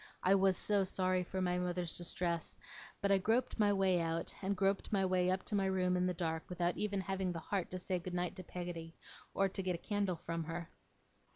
I was so sorry for my mother's distress; but I groped my way out, and groped my way up to my room in the dark, without even having the heart to say good night to Peggotty, or to get a candle from her.